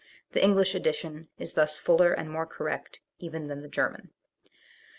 The English edition is thus fuller and more correct even than the German.